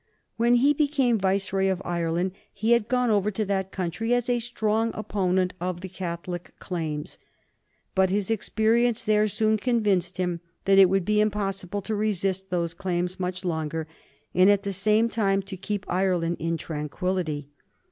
When he became Viceroy of Ireland he had gone over to that country as a strong opponent of the Catholic claims, but his experience there soon convinced him that it would be impossible to resist those claims much longer, and at the same time to keep Ireland in tranquillity.